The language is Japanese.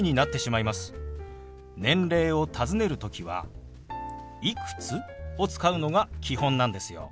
年齢をたずねる時は「いくつ？」を使うのが基本なんですよ。